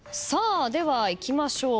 ではいきましょう。